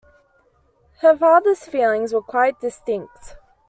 Her father's feelings were quite distinct.